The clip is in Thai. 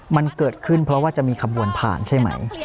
มันเกิดขึ้นเพราะว่าจะมีขบวนผ่านใช่ไหม